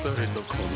この